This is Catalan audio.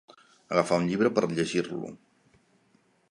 Agafar un llibre per llegir-lo.